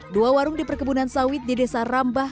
dua warung di perkebunan sawit di desa rambah